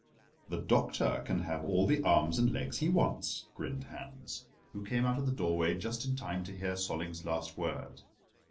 "The Doctor can have all the arms and legs he wants," grinned Hans, who came out of the doorway just in time to hear Solling's last word.